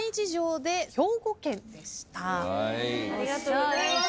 ありがとうございます。